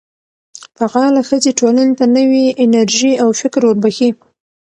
فعاله ښځې ټولنې ته نوې انرژي او فکر وربخښي.